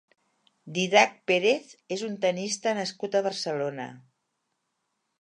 Didac Pérez és un tennista nascut a Barcelona.